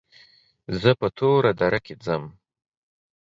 زه په توره دره کې ځم.